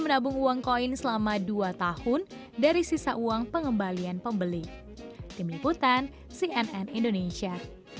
menabung uang koin selama dua tahun dari sisa uang pengembalian pembeli tim liputan cnn indonesia